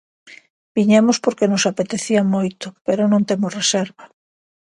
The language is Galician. Viñemos porque nos apetecía moito pero non temos reserva.